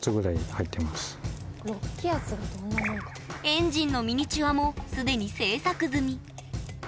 エンジンのミニチュアも既に制作済み。